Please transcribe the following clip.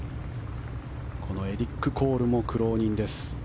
エリック・コールも苦労人です。